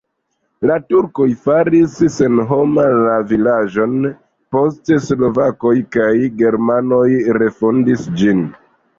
La turkoj faris senhoma la vilaĝon, poste slovakoj kaj germanoj refondis ĝin.